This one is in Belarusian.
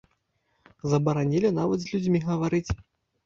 Забаранілі нават з людзьмі гаварыць.